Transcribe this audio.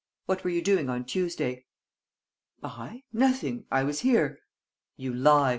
What were you doing on Tuesday?" "I? Nothing. I was here." "You lie.